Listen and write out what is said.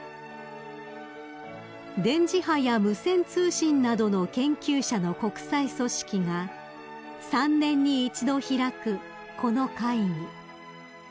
［電磁波や無線通信などの研究者の国際組織が３年に一度開くこの会議］